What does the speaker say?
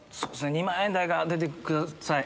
２万円台が出てください